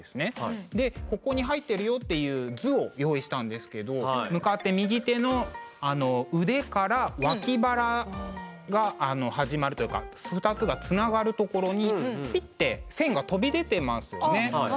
でここに入ってるよっていう図を用意したんですけど向かって右手の腕から脇腹が始まるというか２つがつながるところにピッて線が飛び出てますよね。